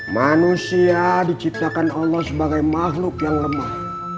manusia diciptakan allah sebagai makhluk yang lemah